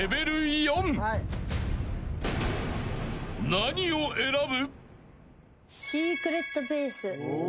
［何を選ぶ？］